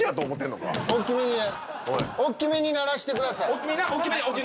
おっきめに鳴らしてください。